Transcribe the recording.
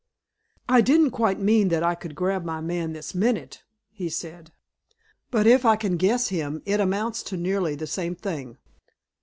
"I didn't quite mean that I could grab my man this minute," he said, "but, if I can guess him, it amounts to nearly the same thing.